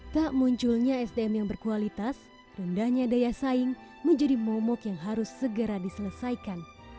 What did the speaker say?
tak munculnya sdm yang berkualitas rendahnya daya saing menjadi momok yang harus segera diselesaikan